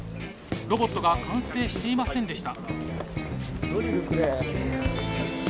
ロボットが完成していませんでした。